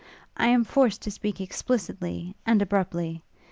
I am forced to speak explicitly and abruptly.